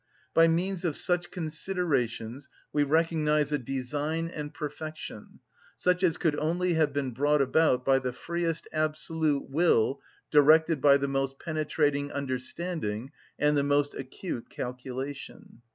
By means of such considerations we recognise a design and perfection, such as could only have been brought about by the freest absolute will directed by the most penetrating understanding and the most acute calculation.